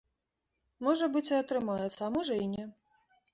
Можа быць, і атрымаецца, а можа і не.